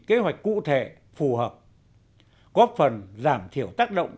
kế hoạch cụ thể phù hợp góp phần giảm thiểu tác động